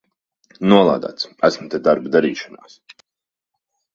Nolādēts! Esmu te darba darīšanās!